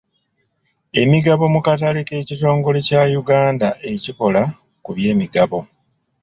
Emigabo mu katale k'ekitongole kya Yuganda ekikola ku by'emigabo.